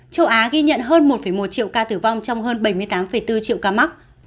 châu á ghi nhận hơn một một triệu ca tử vong trong hơn bảy mươi tám bốn triệu ca mắc